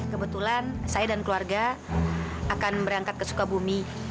kebetulan saya dan keluarga akan berangkat ke sukabumi